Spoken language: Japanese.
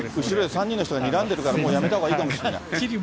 後ろで３人の人がにらんでるから、もうやめたほうがいいかもしれない。